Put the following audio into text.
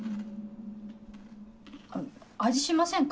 味しませんか？